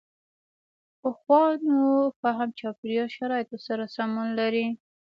پخوانو فهم چاپېریال شرایطو سره سمون لري.